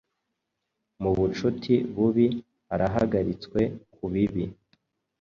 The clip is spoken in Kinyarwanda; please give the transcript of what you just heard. Mubucuti bubi arahagaritswe kubibi